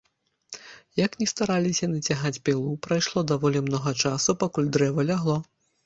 Як ні стараліся яны цягаць пілу, прайшло даволі многа часу, пакуль дрэва лягло.